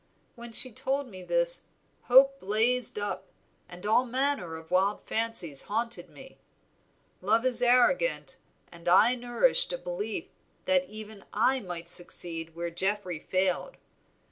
When she told me this hope blazed up, and all manner of wild fancies haunted me. Love is arrogant, and I nourished a belief that even I might succeed where Geoffrey failed.